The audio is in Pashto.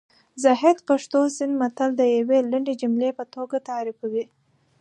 زاهد پښتو سیند متل د یوې لنډې جملې په توګه تعریفوي